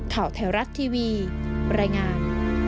แถวรัฐทีวีรายงาน